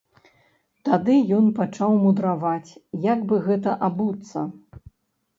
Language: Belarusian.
Тады ён пачаў мудраваць, як бы гэта абуцца.